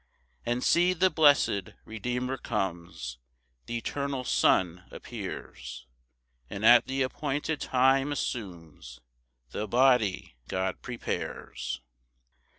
4 And see the bless'd Redeemer comes, Th' eternal Son appears, And at th' appointed time assumes The body God prepares.